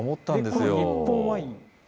この日本ワイン。